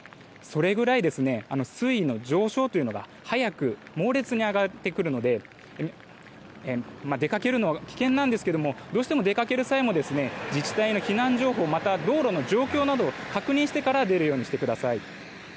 それぐらい水位の上昇が早く猛烈に上がってくるので出かけるのは危険なんですがどうしても出かける際は自治体の避難情報また道路の状況などを確認してから出るようにしてください。